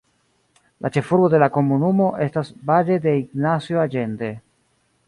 La ĉefurbo de la komunumo estas Valle de Ignacio Allende.